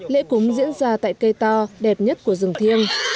lễ cúng diễn ra tại cây to đẹp nhất của rừng thiêng